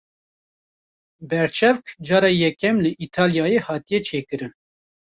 Berçavk cara yekem li Îtalyayê hatiye çêkirin.